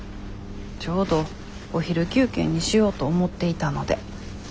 ちょうどお昼休憩にしようと思っていたので。